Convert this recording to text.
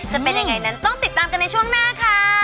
จะเป็นยังไงนั้นต้องติดตามกันในช่วงหน้าค่ะ